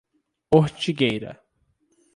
Ortigueira